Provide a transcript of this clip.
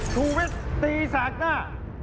ชูวิสตีสากหน้า